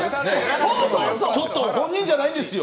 ちょっと本人じゃないんですよ。